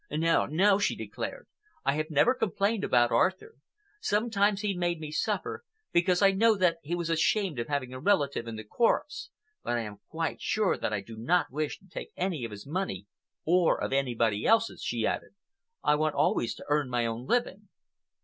"No, no!" she declared. "I have never complained about Arthur. Sometimes he made me suffer, because I know that he was ashamed of having a relative in the chorus, but I am quite sure that I do not wish to take any of his money—or of anybody else's," she added. "I want always to earn my own living."